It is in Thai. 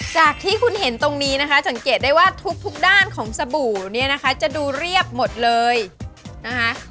จากที่คุณเห็นตรงนี้นะคะสังเกตได้ว่าทุกด้านของสบู่เนี่ยนะคะจะดูเรียบหมดเลยนะคะ